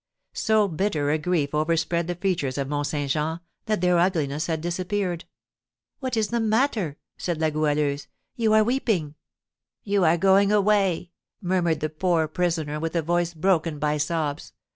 So bitter a grief overspread the features of Mont Saint Jean that their ugliness had disappeared. "What is the matter?" said La Goualeuse. "You are weeping!" "You are going away!" murmured the poor prisoner, with a voice broken by sobs.